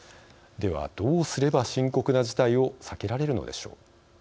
では、どうすれば深刻な事態を避けられるのでしょう。